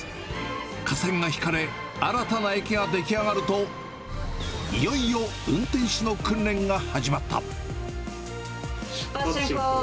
架線が引かれ、新たな駅が出来上がると、いよいよ運転士の訓練が出発進行！